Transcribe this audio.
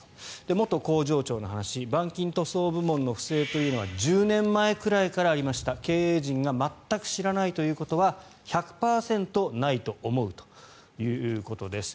元工場長の話板金塗装部門の不正というのは１０年前くらいからありました経営陣が全く知らないということは１００％ないと思うということです。